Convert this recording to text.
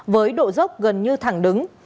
với độ dốc gần như thẳng đứng